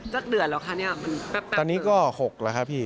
เดือนแล้วคะเนี่ยมันแป๊บตอนนี้ก็๖แล้วครับพี่